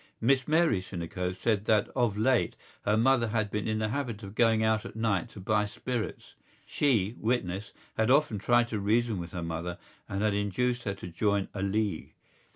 Miss Mary Sinico said that of late her mother had been in the habit of going out at night to buy spirits. She, witness, had often tried to reason with her mother and had induced her to join a league.